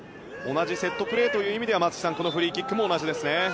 同じセットプレーという意味では松木さんこのフリーキックも同じですね。